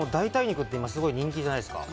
代替肉って今、人気じゃないですか。